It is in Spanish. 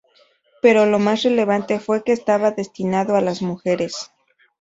Pero lo más relevante fue que estaba destinado a las mujeres.